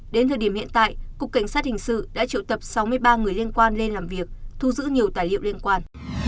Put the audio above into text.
đến thời điểm hiện tại cục cảnh sát hình sự đã triệu tập sáu mươi ba người liên quan lên làm việc thu giữ nhiều tài liệu liên quan